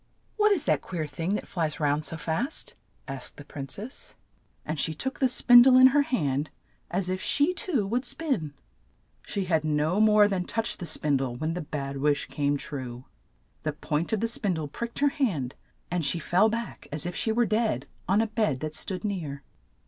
"What is that queer thing that flies round so fast ?'' asked the prin cess, and she took the spin die in her hand as if she too would spin. She had no more than touched the spin die when the bad wish came true — the point of the spin die pricked her hand, and she fell back as if she were dead on a bed that stood near.